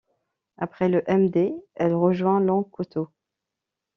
Après le M-Day, elle rejoint Long Couteau.